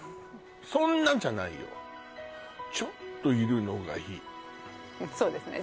そんなじゃないよちょっといるのがいいそうですね